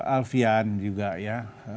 alfian juga ya